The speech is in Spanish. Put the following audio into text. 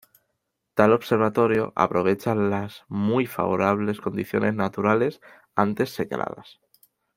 Tal observatorio aprovecha las muy favorable condiciones naturales antes señaladas.